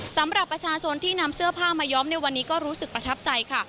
สำหรับประชาชนที่นำเสื้อผ้ามาย้อมในวันนี้ก็รู้สึกประทับใจค่ะ